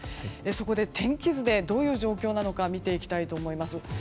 そこで、天気図でどういう状況なのか見ていきたいと思います。